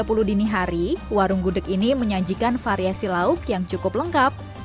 buka mulai jam satu tiga puluh dini hari warung gudeg ini menyajikan variasi lauk yang cukup lengkap